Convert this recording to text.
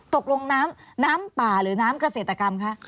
ตกลงน้ำป่าหรือน้ำเกษตรกรรมคะ